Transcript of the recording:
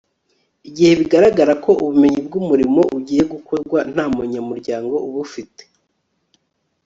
igihe bigaragara ko ubumenyi bw'umurimo ugiye gukorwa nta munyamuryango ubufite